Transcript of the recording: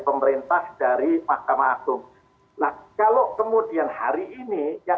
pemerintah dari mahkamah akun